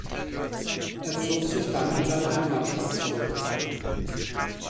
Er zog sich dann in seine Heimatstadt zurück.